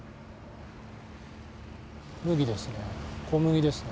麦ですね。